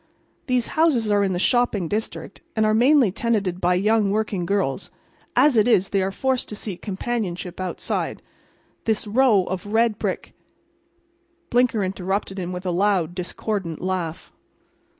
These houses are in the shopping district, and are mainly tenanted by young working girls. As it is they are forced to seek companionship outside. This row of red brick—" Blinker interrupted him with a loud, discordant laugh.